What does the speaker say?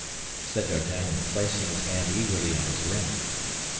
said D'Artagnan, placing his hand eagerly on his ring.